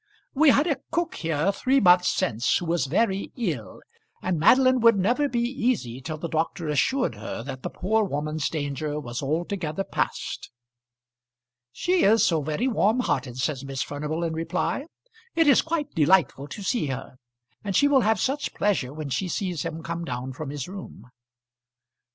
"We had a cook here, three months since, who was very ill, and Madeline would never be easy till the doctor assured her that the poor woman's danger was altogether past." "She is so very warm hearted," said Miss Furnival in reply. "It is quite delightful to see her. And she will have such pleasure when she sees him come down from his room."